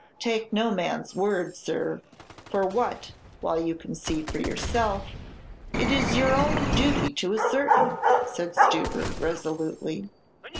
"Take no man's word, sir, for what, while you can see for yourself, it is your own duty to ascertain," said Stubber, resolutely.